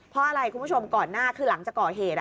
เพราะอะไรคุณผู้ชมก่อนหน้าคือหลังจากก่อเหตุ